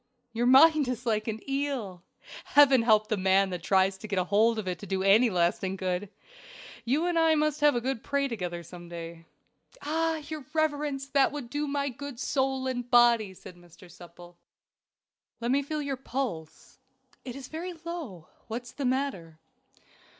"Your mind is like an eel Heaven help the man that tries to get hold of it to do it any lasting good. You and I must have a good pray together some day." "Ah! your reverence, that would do me good soul and body," said Mr. Supple. "Let me now feel your pulse; it is very low. What is the matter?"